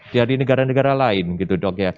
dari negara negara lain gitu dok ya